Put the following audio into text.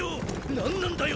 ⁉何なんだよ